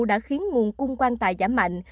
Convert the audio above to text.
đã khiến nguồn cung quan tài giảm mạnh